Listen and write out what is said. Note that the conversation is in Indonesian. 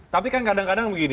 tapi kan kadang kadang begini